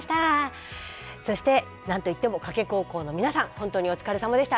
そして何と言っても加計高校の皆さん本当にお疲れさまでした。